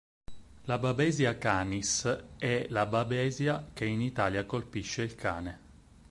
La "Babesia canis" è la babesia che in Italia colpisce il cane.